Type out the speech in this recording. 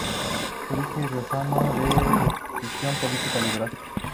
Jurista riojano, de adscripción política liberal.